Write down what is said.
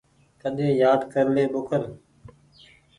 ڪيۮي يآد ڪر لي ٻوکر۔